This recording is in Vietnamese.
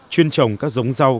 chuyên trồng các giống rau